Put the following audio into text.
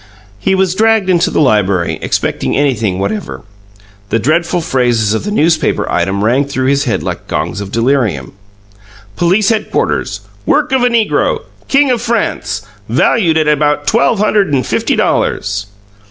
... He was dragged into the library, expecting anything whatever. The dreadful phrases of the newspaper item rang through his head like the gongs of delirium: "Police headquarters!" "Work of a negro!" "King of France!" "Valued at about twelve hundred and fifty dollars!"